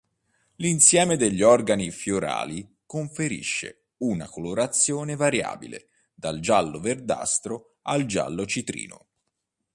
L'insieme degli organi fiorali conferisce una colorazione variabile dal giallo-verdastro al giallo-citrino.